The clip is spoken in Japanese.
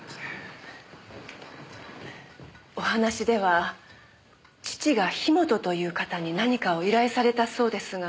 お話では義父が樋本という方に何かを依頼されたそうですが。